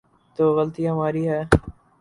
تو غلطی ہماری ہے۔